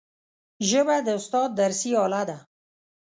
ژبه د استاد درسي آله ده